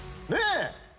ねえ？